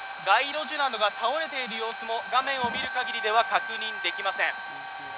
街路樹などが倒れている様子も画面を見る限りでは確認できません。